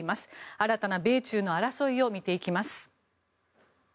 新たな米中の争いを見ていきます。